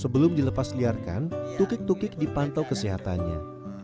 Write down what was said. sebelum dilepas liarkan tukik tukik dipantau kesehatannya